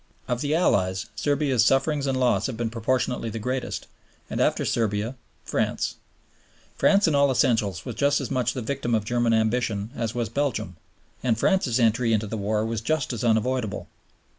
Of the Allies, Serbia's sufferings and loss have been proportionately the greatest, and after Serbia, France. France in all essentials was just as much the victim of German ambition as was Belgium, and France's entry into the war was just as unavoidable.